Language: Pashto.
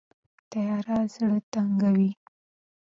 تیاره زړه تنګوي